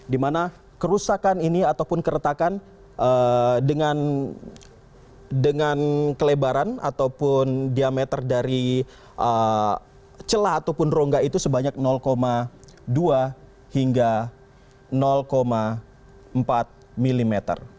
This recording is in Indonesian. di mana kerusakan ini ataupun keretakan dengan kelebaran ataupun diameter dari celah ataupun rongga itu sebanyak dua hingga empat mm